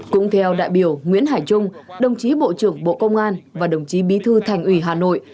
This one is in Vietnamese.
cũng theo đại biểu nguyễn hải trung đồng chí bộ trưởng bộ công an và đồng chí bí thư thành ủy hà nội